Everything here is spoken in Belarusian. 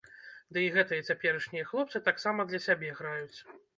Ды і гэтыя цяперашнія хлопцы таксама для сябе граюць.